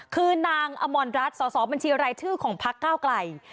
คือนางอมรรัฐสอสอบัญชีรายชื่อของพักเก้าไกล